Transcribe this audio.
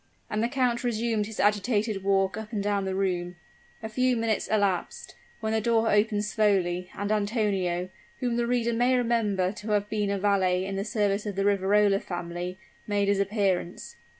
And the count resumed his agitated walk up and down the room. A few minutes elapsed, when the door opened slowly, and Antonio, whom the reader may remember to have been a valet in the service of the Riverola family, made his appearance.